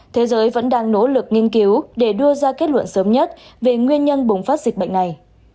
thế giới vẫn đang nỗ lực nghiên cứu để đưa ra kết luận sớm nhất về nguyên nhân bùng phát dịch bệnh này